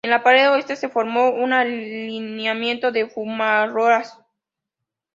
En la pared oeste, se formó un alineamiento de fumarolas.